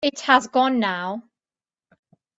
It has gone now.